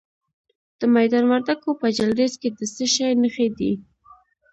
د میدان وردګو په جلریز کې د څه شي نښې دي؟